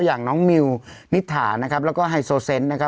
อย่างน้องมิวนิถานะครับแล้วก็ไฮโซเซนต์นะครับ